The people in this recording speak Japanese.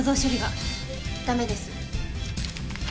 ダメです。